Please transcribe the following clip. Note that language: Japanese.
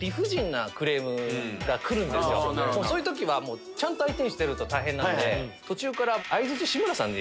そういう時はちゃんと相手にしてると大変なんで途中から。